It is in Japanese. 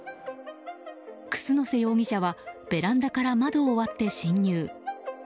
楠瀬容疑者はベランダから窓を割って侵入。